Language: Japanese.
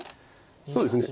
そうですね